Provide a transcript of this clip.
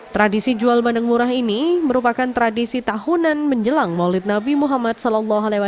tradisi jual bandeng murah ini merupakan tradisi tahunan menjelang maulid nabi muhammad saw